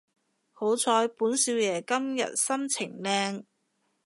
好彩本少爺今日心情靚